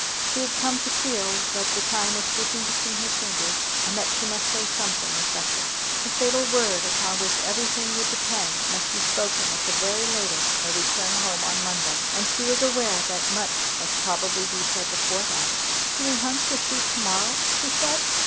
She had come to feel that the time was slipping between her fingers and that she must say something effective. The fatal word upon which everything would depend must be spoken at the very latest on their return home on Monday, and she was aware that much must probably be said before that. "Do we hunt or shoot to morrow?" she said.